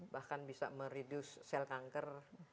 bahkan bisa mereduce sel kanker